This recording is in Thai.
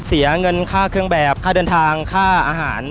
เสียเงินค่าเครื่องแบบค่าเดินทางค่าอาหาร